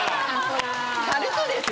軽くですよ。